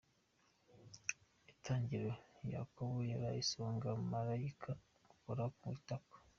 Itangiriro -; Yakobo yaraye asenga, malayika amukora ku itako.